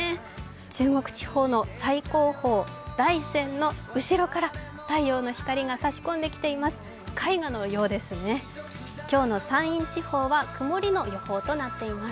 中国地方の最高峰、大山の後ろから太陽の光が差し込んできています。